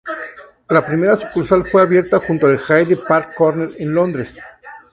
La primera sucursal fue abierta junto al Hyde Park Corner en Londres.